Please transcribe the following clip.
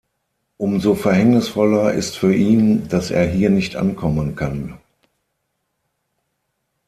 Umso verhängnisvoller ist für ihn, dass er hier nicht ankommen kann.